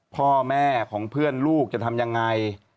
พ่อแม่ของเพื่อนลูกจะทำยังไง